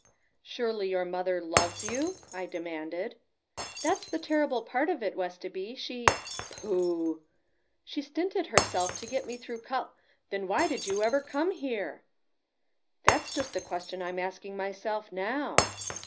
"Surely your mother loves you?" I demanded. "That's the terrible part of it, Westoby, she " "Pooh!" "She stinted herself to get me through col " "Then why did you ever come here?" "That's just the question I'm asking myself now."